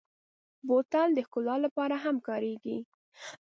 بوتل د ښکلا لپاره هم کارېږي.